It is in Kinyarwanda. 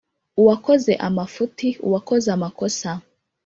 uwakoze amafuti, uwakoze amakosa